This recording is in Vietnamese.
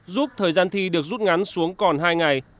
giúp thời gian thi được rút ngắn xuống còn hai ngày